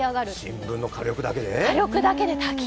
新聞の火力だけで？